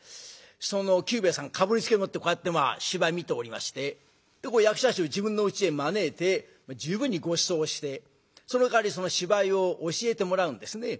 その久兵衛さんかぶりつきでもってこうやってまあ芝居見ておりまして役者衆自分のうちへ招いて十分にごちそうしてそのかわりその芝居を教えてもらうんですね。